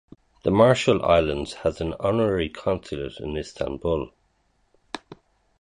The Marshall Islands has an Honorary Consulate in Istanbul.